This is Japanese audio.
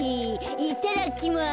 いただきます。